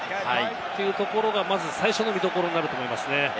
というところがまず最初の見どころになると思いますね。